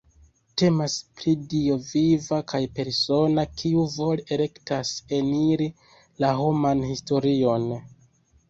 Temas pri Dio viva kaj persona kiu vole elektas eniri la homan historion.